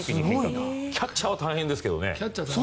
キャッチャーは大変ですけどね。